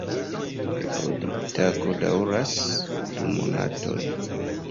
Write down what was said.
Reproduktado daŭras du monatojn.